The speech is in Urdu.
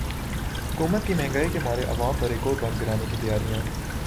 حکومت کی مہنگائی کے مارے عوام پر ایک اور بم گرانے کی تیاریاں